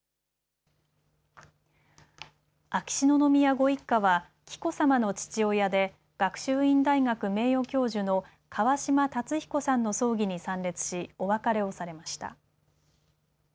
秋篠宮ご一家は紀子さまの父親で学習院大学名誉教授の川嶋辰彦さんの葬儀に参列しお別れをされました。